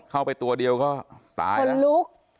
เข้าไปตัวเดียวก็ตายคนลุก